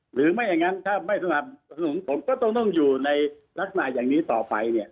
หรือไม่อย่างนั้นถ้าไม่สนับสนุนผมก็ต้องอยู่ในลักษณะอย่างนี้ต่อไปเนี่ย